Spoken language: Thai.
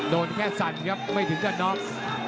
โดนแค่สั่นครับไม่ถึงกระน็อก